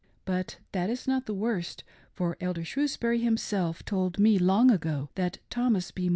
But that is not the worst, for Elder Shrewsbury himself told me long ago that Thomas B.